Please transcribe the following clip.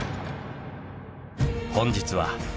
本日は。